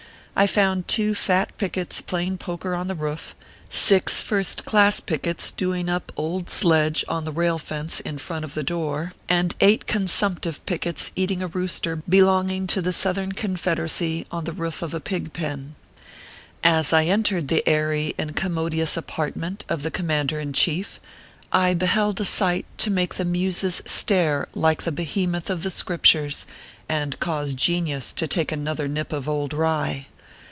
I found two fat pickets playing poker on the roof, six first class pickets doing up Old Sledge on the rail fence in front of the door, and eight con 13 146 ORPHEUS C. KERB PAPERS. sumptive pickets eating a rooster belonging to the Southern Confederacy on the roof of a pig pen. As I entered the aiiy and commodious apartment of the command er in chief, I beheld a sight to make the muses stare like the behemoth of the Scriptures, and cause genius to take another nip of old rye.